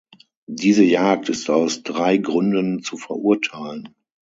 Diese Jagd ist aus drei Gründen zu verurteilen.